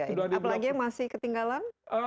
apalagi yang masih ketinggalan